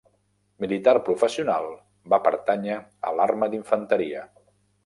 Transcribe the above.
Militar professional, va pertànyer a l'arma d'infanteria.